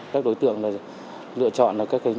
các đối tượng lựa chọn là các khách hàng